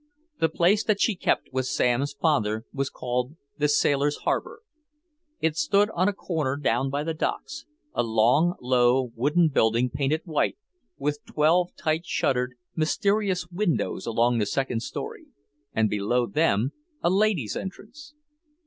The place that she kept with Sam's father was called "The Sailor's Harbor." It stood on a corner down by the docks, a long, low wooden building painted white, with twelve tight shuttered, mysterious windows along the second story, and below them a "Ladies' Entrance."